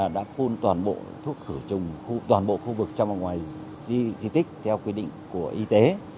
đã phun toàn bộ thuốc khử trùng khu toàn bộ khu vực trong và ngoài di tích theo quy định của y tế